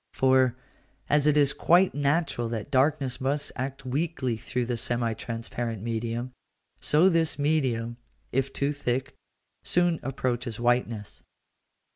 For, as it is quite natural that darkness must act weakly through the semi transparent medium, so this medium, if too thick, soon approaches whiteness.